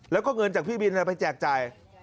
แล้วก็เงินจากพี่บินไปแจกจ่าย